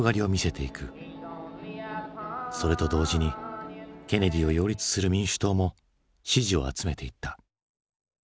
それと同時にケネディを擁立する民主党も支持を集めていった。